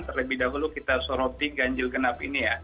terlebih dahulu kita soroti ganjil genap ini ya